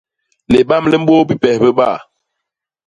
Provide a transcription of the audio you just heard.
Libam li mbôô bipes bibaa.